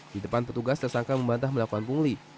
di depan petugas tersangka membantah melakukan pungli